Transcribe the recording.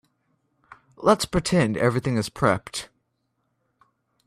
Let's pretend everything is prepped.